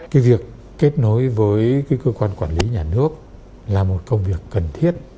cái việc kết nối với cái cơ quan quản lý nhà nước là một công việc cần thiết